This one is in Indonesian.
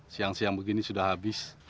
siang siang begini sudah habis